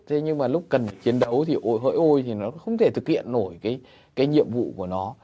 thế nhưng mà lúc cần chiến đấu thì ôi ôi thì nó không thể thực hiện nổi cái nhiệm vụ của nó